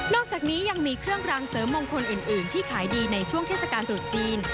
อกจากนี้ยังมีเครื่องรางเสริมมงคลอื่นที่ขายดีในช่วงเทศกาลตรุษจีน